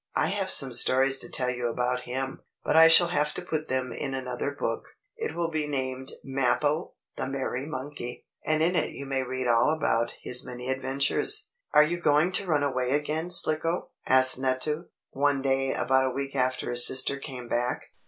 I have some stories to tell you about him. But I shall have to put them in another book. It will be named "Mappo, the Merry Monkey," and in it you may read all about his many adventures. "Are you going to run away again, Slicko?" asked Nutto, one day about a week after his sister came back.